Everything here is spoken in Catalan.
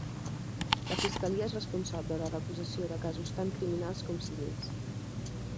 La Fiscalia és responsable de l'acusació de casos tant criminals com civils.